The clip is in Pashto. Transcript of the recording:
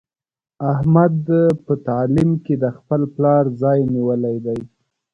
احمد په تعلیم کې د خپل پلار ځای نیولی دی.